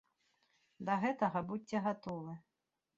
Да гэтага будзьце гатовы.